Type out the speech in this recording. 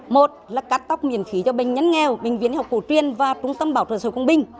một là cắt tóc miền khí cho bệnh nhân nghèo bệnh viện học cổ truyền và trung tâm bảo trợ sở công binh